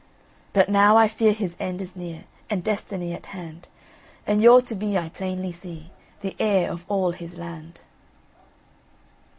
"But now I fear his end is near, And destiny at hand; And you're to be, I plainly see, The heir of all his land."